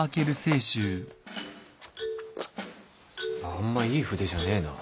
あんまいい筆じゃねえな。